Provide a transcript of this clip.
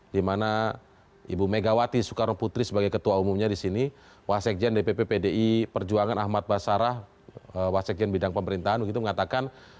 dimana ibu megawati soekarno putri sebagai ketua umumnya di sini wasekjen dpp pdi perjuangan ahmad basarah wasekjen bidang pemerintahan begitu mengatakan